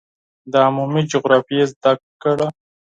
د عمومي جغرافیې زده کړه